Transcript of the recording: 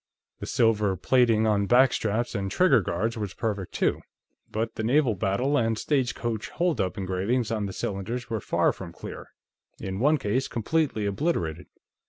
The silver plating on backstraps and trigger guards was perfect, too, but the naval battle and stagecoach holdup engravings on the cylinders were far from clear in one case, completely obliterated.